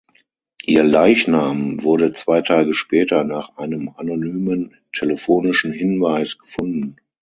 Ihr Leichnam wurde zwei Tage später nach einem anonymen telefonischen Hinweis gefunden.